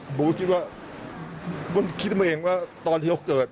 ผมก็คิดว่าคิดตัวเองว่าตอนที่เขาเกิด